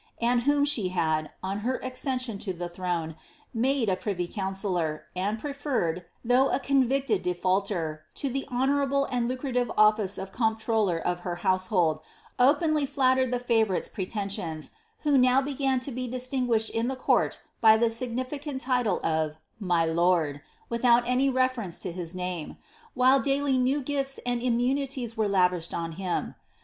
141 Hid whom she had, on her accession to the throne, made a privy coun cillor^ nnd preferred, though a convicted defaulter, to the honourable and lucrative office of comptroller of her household, openly flattered the favourite'^* pretensions, who now began to be distinguished in the court by the sii^nificant title of ^*my lord,^' without any reference to his nsme,' wiiile daily new gifts and immunities were lavished on him.